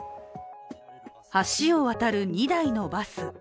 橋を渡る２台のバス。